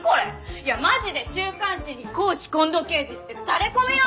いやマジで週刊誌に公私混同刑事ってタレ込むよ！